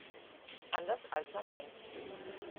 Anders als man denkt.